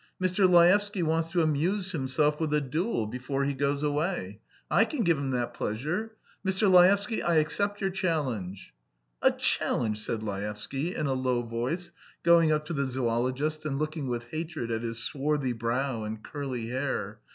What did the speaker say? "Mr. Laevsky wants to amuse himself with a duel before he goes away. I can give him that pleasure. Mr. Laevsky, I accept your challenge." "A challenge," said Laevsky, in a low voice, going up to the zoologist and looking with hatred at his swarthy brow and curly hair.